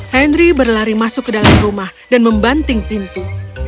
henry berlari masuk ke dalam rumah dan membanting pintu